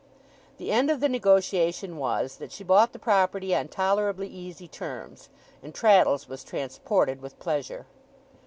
The end of the negotiation was, that she bought the property on tolerably easy terms, and Traddles was transported with pleasure.